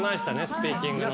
スピーキング。